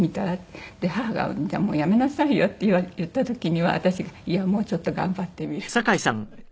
母が「じゃあやめなさいよ」と言った時には私が「いやもうちょっと頑張ってみる」って言うんで。